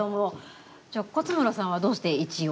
じゃあ勝村さんはどうして１を？